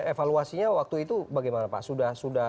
evaluasinya waktu itu bagaimana